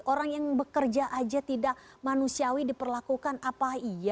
orang yang bekerja aja tidak manusiawi diperlakukan apa iya